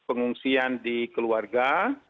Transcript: pengungsian di keluarga